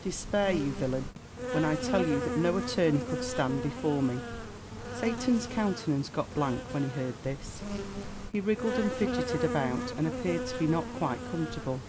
Despair, you villain, when I tell you that no attorney could stand before me." Satan's countenance got blank when he heard this; he wriggled and fidgeted about, and appeared to be not quite comfortable.